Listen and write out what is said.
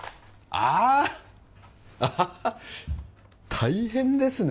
ああ大変ですね